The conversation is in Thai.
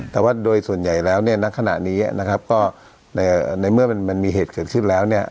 แต่ว่าโดยส่วนใหญ่แล้วเนี่ยณขณะนี้นะครับก็ในเมื่อมันมีเหตุเกิดขึ้นแล้วเนี่ย